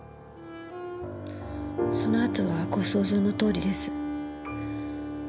その後はご想像のとおりです。